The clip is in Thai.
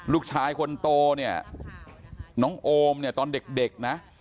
ลูกชายคนโตเนี่ยน้องโอมเนี่ยตอนเด็กนะ